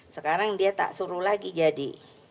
sekarang dia tak suruh lagi jadi